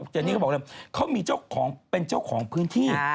เจนี่เขาบอกเลยเขามีเจ้าของเป็นเจ้าของพื้นที่